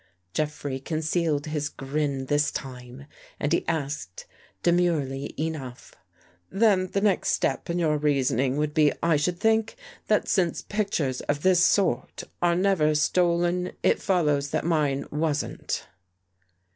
Jeffrey concealed his grin this time, and he asked demurely enough: " Then the next step in your reasoning would be, I should think, that since pictures of this sort are never stolen, it follows that mine wasn't."